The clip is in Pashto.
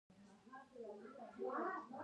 د ډیسپلاسیا د حجرو بې نظمي ده.